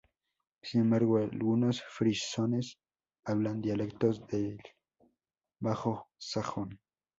Sin embargo, algunos frisones hablan dialectos del bajo sajón.